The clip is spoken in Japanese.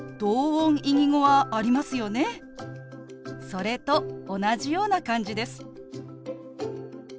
それと同じような感じです。